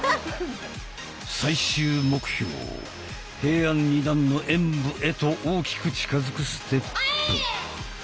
最終目標平安二段の演武へと大きく近づくステップ。